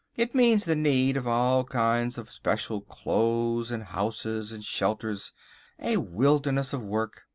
It meant the need of all kinds of special clothes and houses and shelters, a wilderness of work.